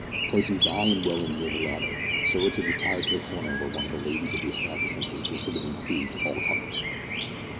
Placing Di and Welland near the latter, Sir Richard retired to a corner where one of the ladies of the establishment was distributing tea to all comers.